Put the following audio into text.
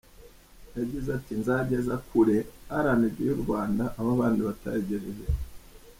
Yagize ati; "Nzageza Kure RnB y'u Rwanda aho abandi batayigejeje.